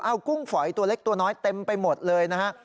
เอากุ้งฝอยตัวเล็กตัวน้อยเต็มไปหมดเลยนะฮะ